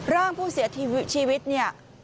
ร่างผู้เสียชีวิตเนี่ย